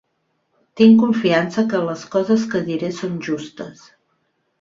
Tinc confiança que les coses que diré són justes